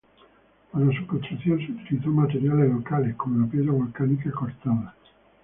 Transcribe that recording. Para su construcción se utilizó materiales locales como la piedra volcánica cortada.